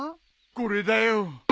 これだよ！